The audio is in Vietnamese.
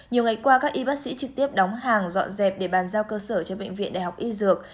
nhiều ngày qua các y bác sĩ trực tiếp đóng hàng dọn dẹp để bàn giao cơ sở cho bệnh viện đại học y dược